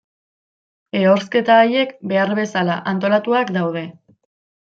Ehorzketa haiek, behar bezala antolatuak daude.